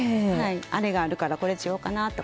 あれがあるからこれしようかなとか。